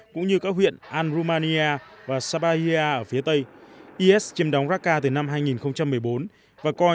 cũng như các huyện al rumania và sabahia ở phía tây is chiêm đóng raqqa từ năm hai nghìn một mươi bốn và coi